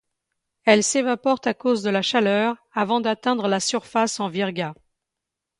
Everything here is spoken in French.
Elles s'évaporent à cause de la chaleur avant d'atteindre la surface en virga.